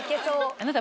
あなた。